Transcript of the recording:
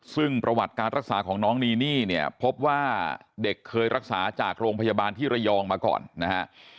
ซึ่งประวัติการรักษาของน้องนีนี่เนี่ยพบว่าเด็กเคยรักษาจากโรงพยาบาลที่ระยองมาก่อนนะฮะ